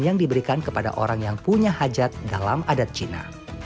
yang diberikan kepada orang yang punya hajat dalam adat cina